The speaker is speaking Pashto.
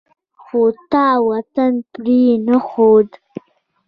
خو تا وطن پرې نه ښود.